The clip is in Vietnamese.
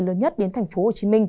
lớn nhất đến tp hcm